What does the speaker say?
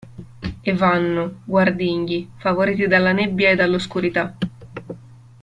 E vanno, guardinghi, favoriti dalla nebbia e dall'oscurità.